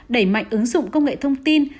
đẩy mạnh ứng dụng công nghệ thông tin